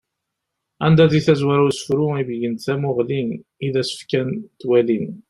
Anda di tazwara n usefru ibeggen-d tamuɣli i d-as-fkan twalin.